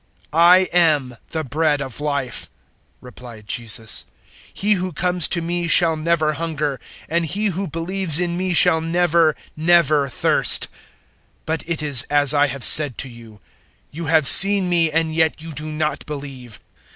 006:035 "I am the bread of Life," replied Jesus; "he who comes to me shall never hunger, and he who believes in me shall never, never thirst. 006:036 But it is as I have said to you: you have seen me and yet you do not believe.